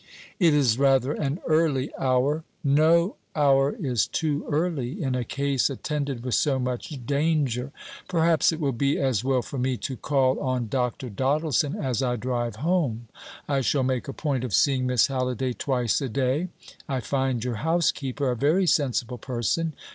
"It is rather an early hour." "No hour is too early in a case attended with so much danger. Perhaps it will be as well for me to call on Dr. Doddleson as I drive home. I shall make a point of seeing Miss Halliday twice a day. I find your housekeeper a very sensible person.